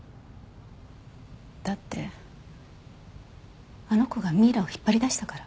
だってあの子がミイラを引っ張り出したから。